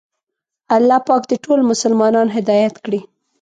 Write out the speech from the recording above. الله پاک دې ټول مسلمانان هدایت کړي.